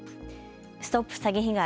ＳＴＯＰ詐欺被害！